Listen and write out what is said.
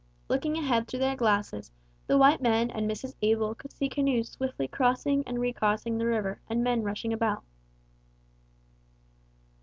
Looking ahead through their glasses, the white men and Mrs. Abel could see canoes swiftly crossing and re crossing the river and men rushing about.